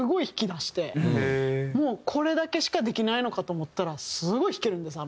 もうこれだけしかできないのかと思ったらすごい弾けるんです